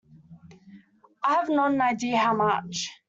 I have not an idea how much.